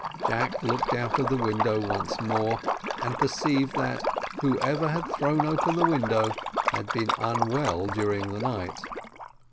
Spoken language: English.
Jack looked out of the window once more, and perceived that whoever had thrown open the window had been unwell during the night.